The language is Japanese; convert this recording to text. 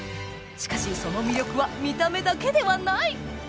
しかしその魅力は見た目だけではない！